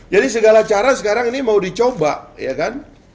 jadi segala cara sekarang ini mau dicoba ya kan